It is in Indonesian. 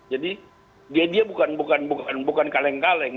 jadi dia bukan kaleng kaleng